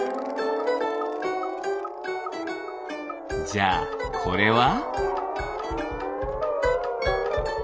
じゃあこれは？